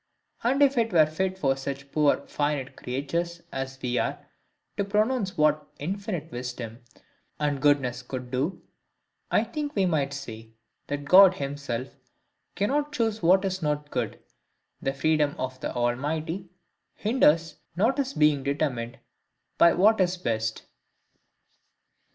And if it were fit for such poor finite creatures as we are to pronounce what infinite wisdom and goodness could do, I think we might say, that God himself CANNOT choose what is not good; the freedom of the Almighty hinders not his being determined by what is best.